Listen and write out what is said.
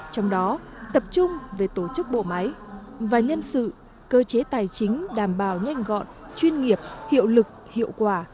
trong đó tập trung về tổ chức bộ máy và nhân sự cơ chế tài chính đảm bảo nhanh gọn chuyên nghiệp hiệu lực hiệu quả